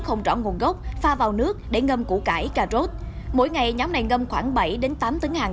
không rõ nguồn gốc pha vào nước để ngâm củ cải cà rốt mỗi ngày nhóm này ngâm khoảng bảy tám tấn hàng